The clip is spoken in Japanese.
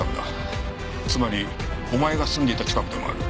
つまりお前が住んでいた近くでもある。